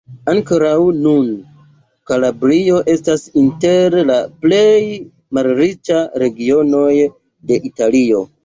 Ankoraŭ nun, Kalabrio estas inter la plej malriĉaj regionoj de Italio.